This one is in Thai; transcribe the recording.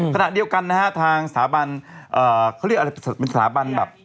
ขณะเดียวกันนะฮะทางสถาบันเขาเรียกอะไรเป็นสถาบันแบบ